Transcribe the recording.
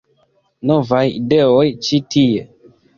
- Novaj ideoj ĉi tie